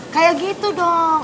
kayak gitu dong